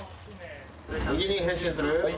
右に変針する。